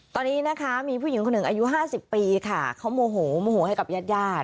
ตอนนี้นะคะมีผู้หญิงคนหนึ่งอายุ๕๐ปีค่ะเขาโมโหโมโหให้กับญาติญาติ